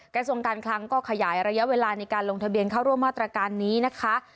กระทรวงการคลังก็ขยายระยะเวลาในการลงทะเบียนเข้าร่วมมาตรการนี้นะคะ